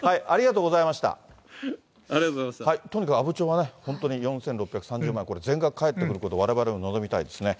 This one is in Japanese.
とにかく阿武町は、本当に４６３０万円、これ、全額返ってくることを、われわれも望みたいですね。